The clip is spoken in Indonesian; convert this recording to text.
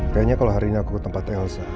kayanya kalo hari ini aku ke tempat elsa